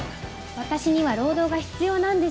私には労働が必要なんです。